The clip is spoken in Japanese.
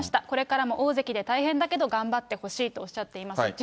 これからも大関で大変だけど頑張ってほしいとおっしゃっています。